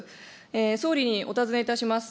総理にお尋ねいたします。